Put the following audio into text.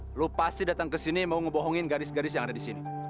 lo pasti datang ke sini mau ngebohongin garis garis yang ada di sini